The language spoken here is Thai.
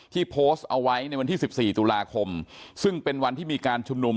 โพสต์เอาไว้ในวันที่๑๔ตุลาคมซึ่งเป็นวันที่มีการชุมนุม